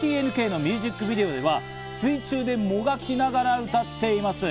『ＯＴＮＫ』のミュージックビデオでは、水中でもがきながら歌っています。